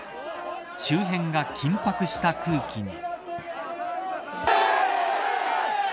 周辺が緊迫した空気に。